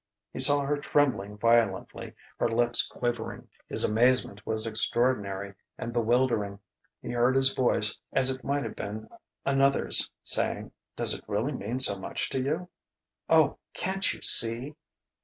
He saw her trembling violently, her lips quivering. His amazement was extraordinary and bewildering. He heard his voice, as it might have been another's, saying: "Does it really mean so much to you?" "Oh, can't you see!"